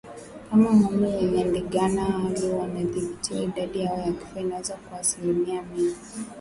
Kama ngombe wenye ndigana kali hawatatibiwa idadi ya vifo inaweza kuwa asilimia mia